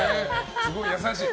すごい優しい。